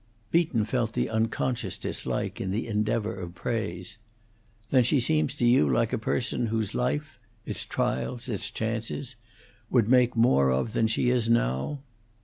Beaton felt the unconscious dislike in the endeavor of praise. "Then she seems to you like a person whose life its trials, its chances would make more of than she is now?"